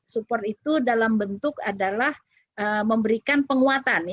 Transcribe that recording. support itu dalam bentuk adalah memberikan penguatan